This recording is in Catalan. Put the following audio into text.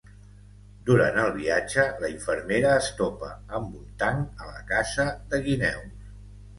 Durant el viatge, la infermera es topa amb un tanc a la caça de guineus.